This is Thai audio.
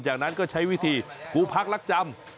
จากนั้นก็ใช้วิธีกูพักรักจำ